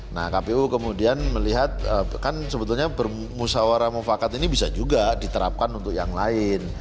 nah kpu kemudian melihat kan sebetulnya bermusawarah mufakat ini bisa juga diterapkan untuk yang lain